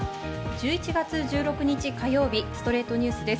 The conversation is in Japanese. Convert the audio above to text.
１１月１６日、火曜日『ストレイトニュース』です。